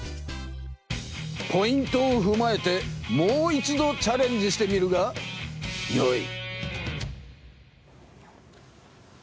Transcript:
ポイントをふまえてもう一度チャレンジしてみるがよい！